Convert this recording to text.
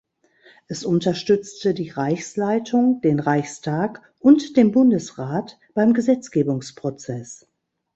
Es unterstützte die Reichsleitung, den Reichstag und den Bundesrat beim Gesetzgebungsprozess.